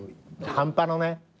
半端のね。